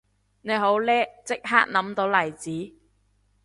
你好叻即刻諗到例子